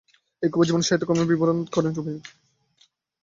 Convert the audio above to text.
এতে কবির জীবন ও সাহিত্যকর্মের বিবরণ পাঠ করেন কবি ইকবাল হোসেন বুলবুল।